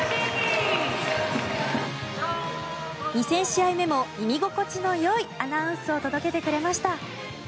２０００試合目も耳心地のよいアナウンスを届けてくれました。